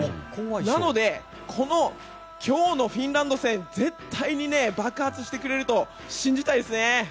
なので今日のフィンランド戦絶対に爆発してくれると信じたいですね。